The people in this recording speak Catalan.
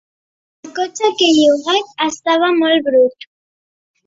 El cotxe que he llogat estava molt brut.